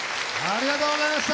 ありがとうございます。